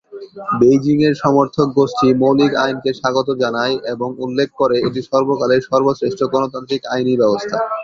বেইজিং-এর সমর্থক গোষ্ঠী মৌলিক আইনকে স্বাগত জানায় এবং উল্লেখ করে এটি সর্বকালের সর্বশ্রেষ্ঠ গণতান্ত্রিক আইনি ব্যবস্থা।